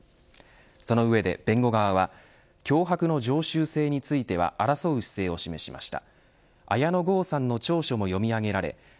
その上で、弁護側は脅迫の常習性については争う姿勢を示しました。